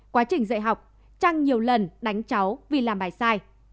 quá trình dạy học trang nhiều lần đánh cháu vì làm bài sai